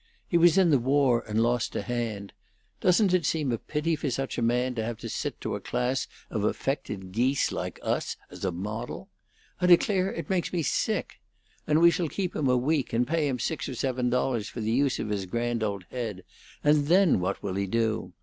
He was in the war, and lost a hand. Doesn't it seem a pity for such a man to have to sit to a class of affected geese like us as a model? I declare it makes me sick. And we shall keep him a week, and pay him six or seven dollars for the use of his grand old head, and then what will he do?